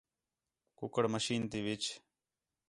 کُکڑ مشین تی وِچ